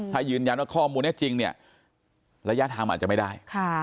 ถ้ายืนยันว่าข้อมูลนี้จริงเนี่ยระยะทางอาจจะไม่ได้